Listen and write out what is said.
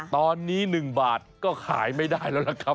ตอนนี้๑บาทก็ขายไม่ได้แล้วล่ะครับ